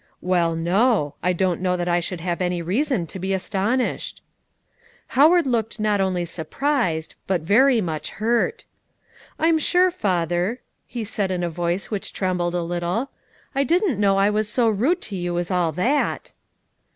"Well, no; I don't know that I should have any reason to be astonished." Howard looked not only surprised, but very much hurt. "I'm sure, father," he said, in a voice which trembled a little, "I didn't know I was so rude to you as all that."